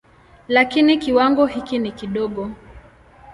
Lakini kiwango hiki ni kidogo.